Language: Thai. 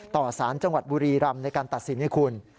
ต่อสารจังหวัดบุรีรำในการตัดสินให้คุณ